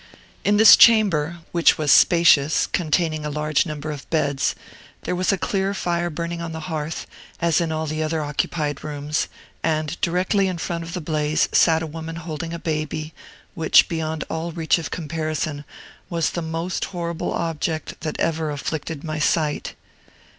In this chamber (which was spacious, containing a large number of beds) there was a clear fire burning on the hearth, as in all the other occupied rooms; and directly in front of the blaze sat a woman holding a baby, which, beyond all reach of comparison, was the most horrible object that ever afflicted my sight.